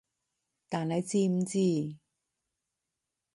但你知唔知？